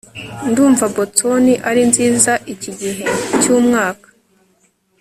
ndumva boston ari nziza iki gihe cyumwaka